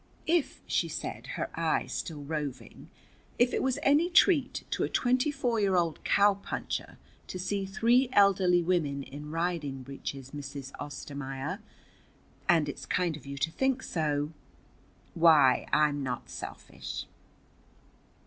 "If," she said, her eye still roving, "if it was any treat to a twenty four year old cowpuncher to see three elderly women in riding breeches, Mrs. Ostermaier, and it's kind of you to think so, why, I'm not selfish."